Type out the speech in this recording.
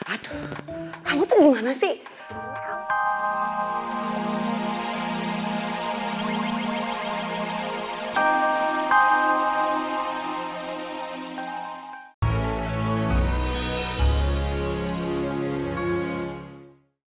aduh kamu tuh gimana sih